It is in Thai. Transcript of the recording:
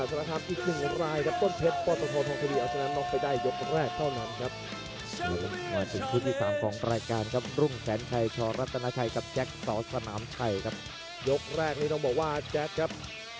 ใส่ความแข็งแรงแข็งแกร่งแล้วก็บดไปเรื่อยครับ